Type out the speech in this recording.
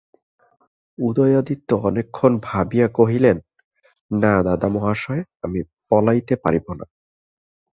উদয়াদিত্য অনেকক্ষণ ভাবিয়া কহিলেন, না দাদামহাশয়, আমি পলাইতে পারিব না।